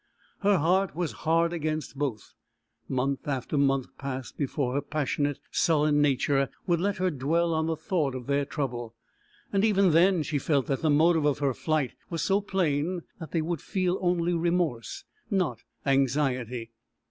Her heart was hard against both; month after month passed before her passionate, sullen nature would let her dwell on the thought of their trouble, and even then she felt that the motive of her flight was so plain that they would feel only remorse, not anxiety.